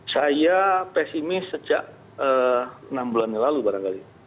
saya pesimis sejak enam bulan yang lalu barangkali